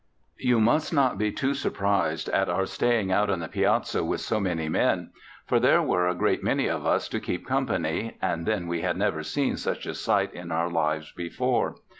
You must not be too surprised at our staying out in the piazza with so many men, for there were a great many of us to keep company, and then we had never seen such a sight in our lives before.